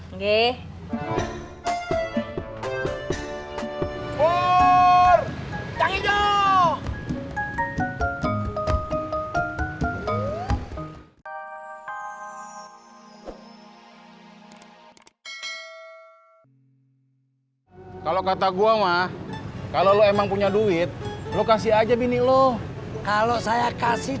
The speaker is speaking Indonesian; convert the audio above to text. oke gue kalau kata gua mah kalau emang punya duit lo kasih aja bini lo kalau saya kasih